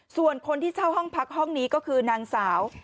ส่วนคนที่เช่าห้องพักห้องนี้ก็คือนางสาว